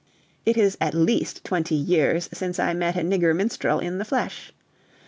It is at least twenty years since I met a nigger minstrel in the flesh.